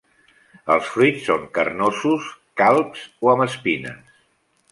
Els fruits són carnosos, calbs o amb espines.